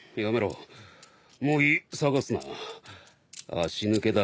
足抜けだ。